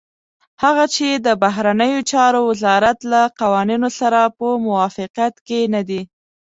هغه چې د بهرنيو چارو وزارت له قوانينو سره په موافقت کې نه دي.